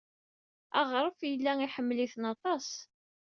Aɣref yella iḥemmel-iten aṭas.